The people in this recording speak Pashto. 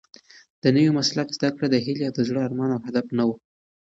د نوي مسلک زده کړه د هیلې د زړه ارمان او هدف نه و.